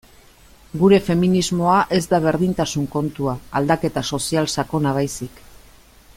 Gure feminismoa ez da berdintasun kontua, aldaketa sozial sakona baizik.